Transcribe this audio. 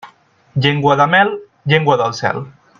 Llengua de mel, llengua del cel.